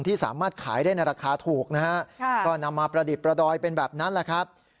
ที่สามารถขายได้ในราคาถูกนะฮะก็นำมาประดิษฐ์ประดอยเป็นแบบนั้นแหละครับ